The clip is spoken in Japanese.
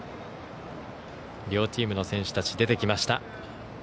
両チームの選手たちが出てきました。